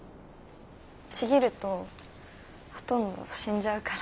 ちぎるとほとんど死んじゃうから。